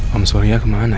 mam surya kemana ya